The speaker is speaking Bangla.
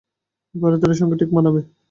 রাধারানীর সঙ্গে ঠিক মানাবে।